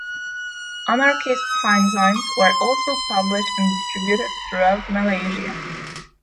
Anarchist fanzines were also published and distributed throughout Malaysia.